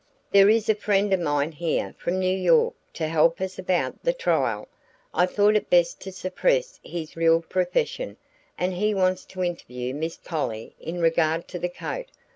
"There is a friend of mine here from New York to help us about the trial" I thought it best to suppress his real profession "and he wants to interview Miss Polly in regard to the coat.